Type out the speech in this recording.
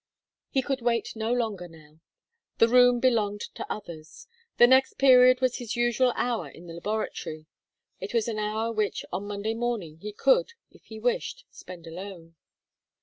He could wait no longer now. That room belonged to others. The next period was his usual hour in the laboratory. It was an hour which on Monday morning he could, if he wished, spend alone.